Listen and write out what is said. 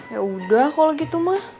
yaudah kalau gitu mah